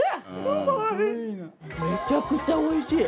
めちゃくちゃおいしい！